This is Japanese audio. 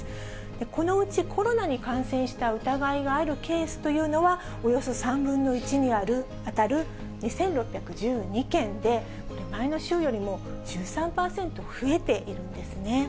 このうちコロナに感染した疑いがあるケースというのは、およそ３分の１に当たる２６１２件で、これ、前の週よりも１３％増えているんですね。